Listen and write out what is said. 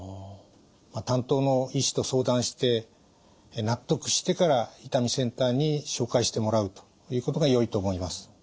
担当の医師と相談して納得してから痛みセンターに紹介してもらうということがよいと思います。